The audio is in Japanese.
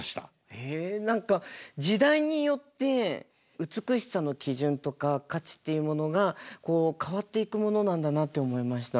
へえ何か時代によって美しさの基準とか価値っていうものがこう変わっていくものなんだなって思いました。